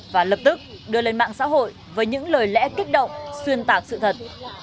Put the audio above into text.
và lập tức đưa lên mạng xã hội với những lời lẽ kích động xuyên tạc sự thật